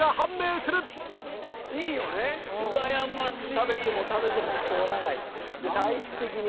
食べても食べても太らないって。